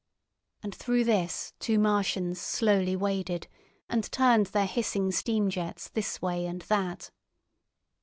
And through this two Martians slowly waded, and turned their hissing steam jets this way and that.